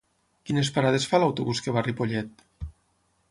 Quines parades fa l'autobús que va a Ripollet?